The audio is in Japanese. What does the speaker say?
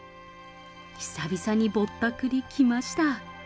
久々にぼったくり来ました。